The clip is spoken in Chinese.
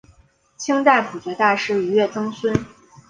清代朴学大师俞樾曾孙。